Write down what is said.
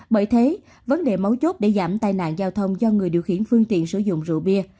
bởi thế vấn đề mấu chốt để giảm tai nạn giao thông do người điều khiển phương tiện sử dụng rượu bia